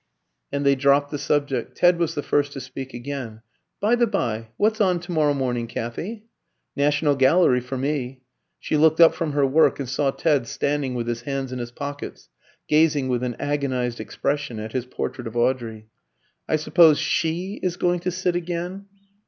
And they dropped the subject. Ted was the first to speak again. "By the bye, what's on to morrow morning, Kathy?" "National Gallery for me." She looked up from her work and saw Ted standing with his hands in his pockets, gazing with an agonised expression at his portrait of Audrey. "I suppose she is going to sit again?"